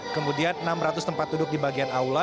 kemudian enam ratus tempat duduk di bagian aula